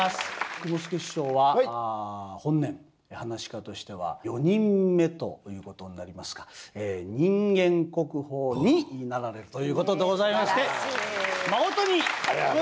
雲助師匠は本年噺家としては４人目ということになりますか人間国宝になられるということでございましてまことにおめでとうございます！